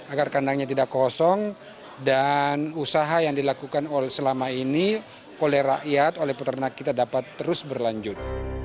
agar kandangnya tidak kosong dan usaha yang dilakukan selama ini oleh rakyat oleh peternak kita dapat terus berlanjut